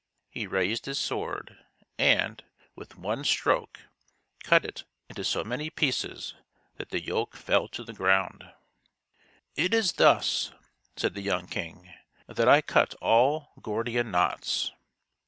He raised his sword and, with one stroke, cut it into so many pieces that the yoke fell to the ground. " It is thus," said the young king, " that I cut all Gordian knots."